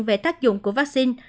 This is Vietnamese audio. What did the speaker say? về tác dụng của vaccine